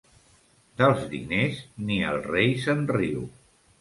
Dels diners, ni el rei se'n riu.